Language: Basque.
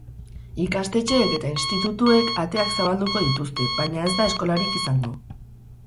Ikastetxeek eta institutuek ateak zabalduko dituzte, baina ez da eskolarik izango.